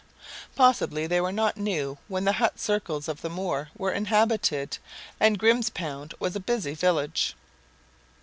Possibly they were not new when the hut circles of the Moor were inhabited and Grimspound was a busy village.